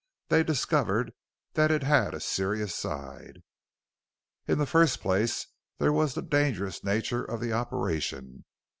They discovered that it had a serious side. In the first place there was the dangerous nature of the operation.